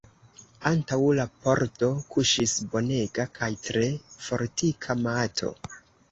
Antaŭ la pordo kuŝis bonega kaj tre fortika mato.